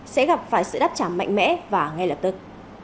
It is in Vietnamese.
sẽ gặp phải sự đáp trả mạnh mẽ và ngay lập tức